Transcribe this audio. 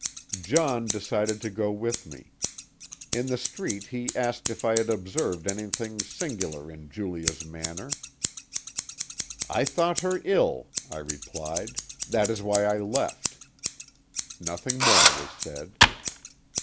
John decided to go with me. In the street he asked if I had observed anything singular in Julia's manner. "I thought her ill," I replied; "that is why I left." Nothing more was said.